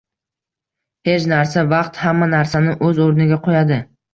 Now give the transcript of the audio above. Hech narsa - vaqt hamma narsani o'z o'rniga qo'yadi